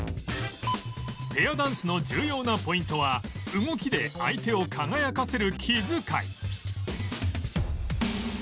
ペアダンスの重要なポイントは動きで相手を輝かせる気遣い